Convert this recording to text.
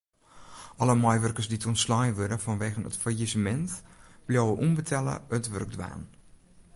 Alle meiwurkers dy't ûntslein wurde fanwegen it fallisemint bliuwe ûnbetelle it wurk dwaan.